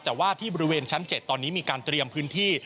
แต่ว่าที่บริเวณชั้น๗ตอนนี้มีการเตรียมพื้นที่